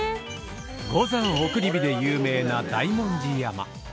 「五山送り火」で有名な大文字山。